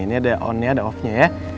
ini ada on nya ada off nya ya